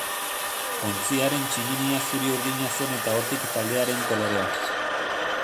Ontziaren tximinia zuri-urdina zen eta hortik taldearen koloreak.